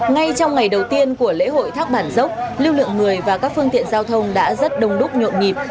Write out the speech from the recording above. ngay trong ngày đầu tiên của lễ hội thác bản dốc lưu lượng người và các phương tiện giao thông đã rất đông đúc nhộn nhịp